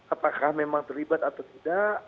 apakah memang terlibat atau tidak